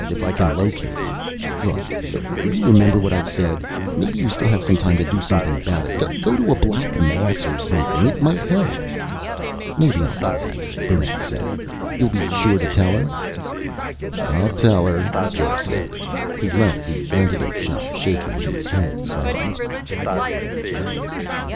"If I can locate her. Look, will you remember what I've said? Maybe you still have time to do something about it. Go to Black Mass or something. It might help." "Maybe I'll do that," Barrent said. "You'll be sure to tell her?" "I'll tell her," Joe said. He left the Antidote Shop shaking his head sadly.